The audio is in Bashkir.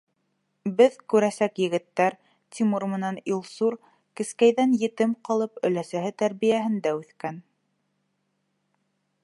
— Беҙ күрәсәк егеттәр Тимур менән Илсур кескәйҙән етем ҡалып, өләсәһе тәрбиәһендә үҫкән.